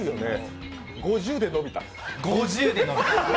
５０で伸びた？